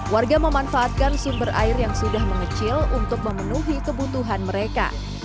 warga memanfaatkan sumber air yang sudah mengecil untuk memenuhi kebutuhan mereka